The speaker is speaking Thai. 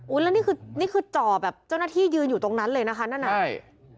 แล้วนี่คือนี่คือจ่อแบบเจ้าหน้าที่ยืนอยู่ตรงนั้นเลยนะคะนั่นน่ะใช่